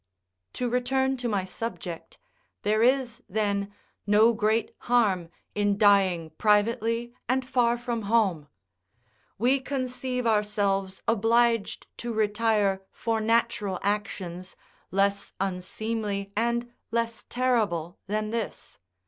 To return to my subject: there is, then, no great harm in dying privately and far from home; we conceive ourselves obliged to retire for natural actions less unseemly and less terrible than this.